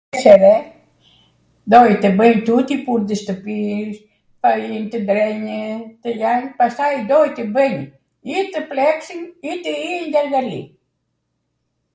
[kur] jesh e re, doj tw bwj tuti punt e shtwpis, fai tw ndrenjw, tw ljanj, pastaj doj tw bwnj, i tw pleksim i tw ienj nd arghali.